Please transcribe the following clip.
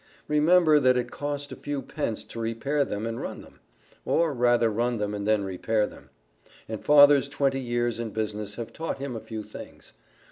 Remember that it cost a few pence to repair them and run them; or rather run them and then repair them; and Father's twenty years in business have taught him a few things.